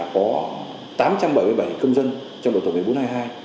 có tám trăm bảy mươi bảy công dân trong đội tổng một nghìn bốn trăm hai mươi hai